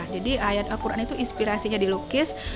jadi ayat al quran itu inspirasinya dilukis